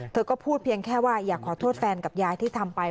เธอก็พูดเพียงแค่ว่าอยากขอโทษแฟนกับยายที่ทำไป